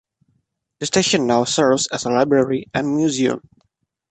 The station now serves as a library and museum.